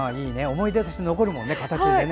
思い出として残るもんね形にね。